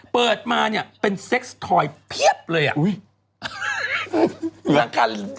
เปิดมาเนี่ยเป็นเซ็กส์ทอยเพียบเลยอ่ะ